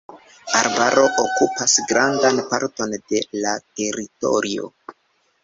Arbaro okupas grandan parton de la teritorio.